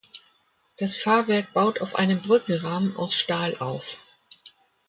Das Fahrwerk baut auf einem Brückenrahmen aus Stahl auf.